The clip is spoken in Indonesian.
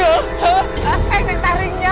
eh enek taringnya